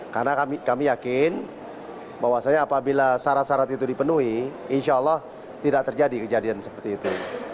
karena kami yakin bahwasannya apabila syarat syarat itu dipenuhi insya allah tidak terjadi kejadian seperti itu